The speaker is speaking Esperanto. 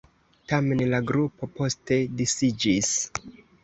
Tamen la grupo poste disiĝis.